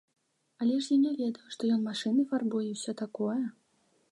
Але ж я не ведаў, што ён машыны фарбуе і ўсё такое!